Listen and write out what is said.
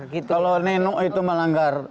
kalau nenok itu melanggar